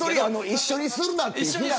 一緒にするなっていう。